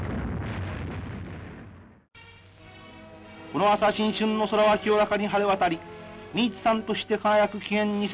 「この朝新春の空は清らかに晴れ渡り御稜威燦として輝く紀元